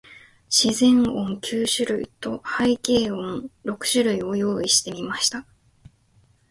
自然音九種類と、背景音六種類を用意してみました。